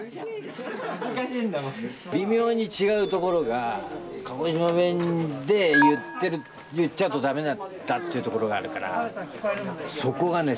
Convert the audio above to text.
微妙に違うところが鹿児島弁で言っちゃうと駄目だったっていうところがあるからそこがね